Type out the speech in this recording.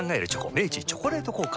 明治「チョコレート効果」